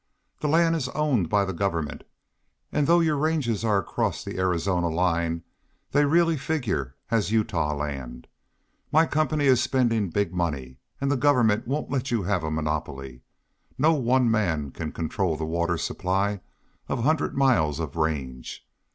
"The land is owned by the Government, and though your ranges are across the Arizona line they really figure as Utah land. My company's spending big money, and the Government won't let you have a monopoly. No one man can control the water supply of a hundred miles of range.